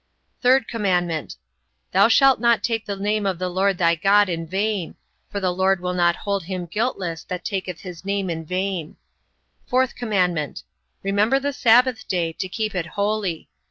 3rd commandment: Thou shalt not take the name of the LORD thy God in vain; for the LORD will not hold him guiltless that taketh his name in vain. 4th commandment: Remember the sabbath day, to keep it holy.